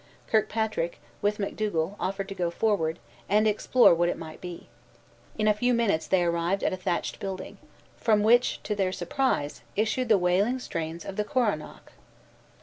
Kirkpatrick, with Macdougal, offered to go forward, and explore what it might be. In a few minutes they arrived at a thatched building; from which, to their surprise, issued the wailing strains of the coronach.